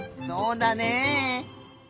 そうだね。